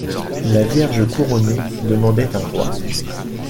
La Vierge couronnée demandait un roi.